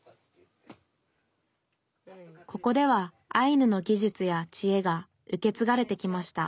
ここではアイヌの技術やちえが受け継がれてきました。